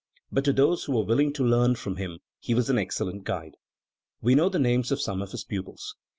But to those who were willing to learn from him he was an excellent guide. We know the names of some of his pupils.